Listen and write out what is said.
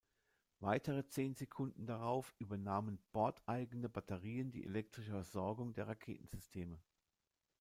Weitere zehn Sekunden darauf übernahmen bordeigene Batterien die elektrische Versorgung der Raketensysteme.